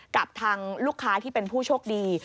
กับทางลูกค้าที่เป็นผู้โชคดี